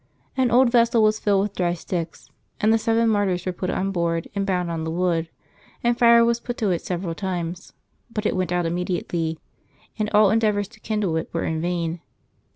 An old vessel was filled with dry sticks, and the seven martyrs were put on board and bound on the wood; and fire was put to it several times, but it went out immediately, and all endeavors to kindle it were in vain.